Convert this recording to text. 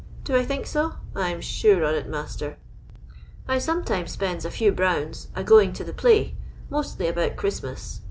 Do I think so ] I 'm sure on it, master. I sometimes spends a few browns a going to the play ; mostly about Christmas.